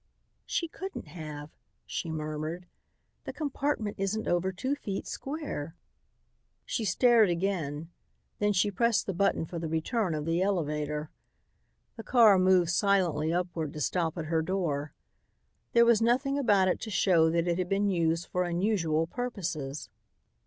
"She couldn't have," she murmured. "The compartment isn't over two feet square." She stared again. Then she pressed the button for the return of the elevator. The car moved silently upward to stop at her door. There was nothing about it to show that it had been used for unusual purposes.